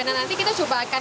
nah nanti kita coba akan